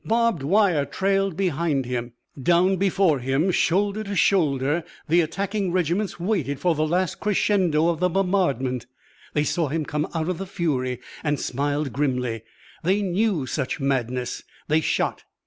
Barbed wire trailed behind him. Down before him, shoulder to shoulder, the attacking regiments waited for the last crescendo of the bombardment. They saw him come out of the fury and smiled grimly. They knew such madness. They shot.